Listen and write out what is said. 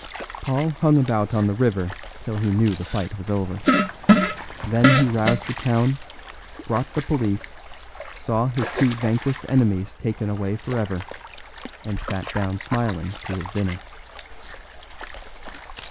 Paul hung about on the river till he knew the fight was over. Then he roused the town, brought the police, saw his two vanquished enemies taken away forever, and sat down smiling to his dinner."